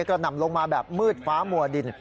หนำลงมาแบบมืดฟ้ามัวดิน